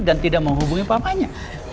dan tidak mau hubungi papanya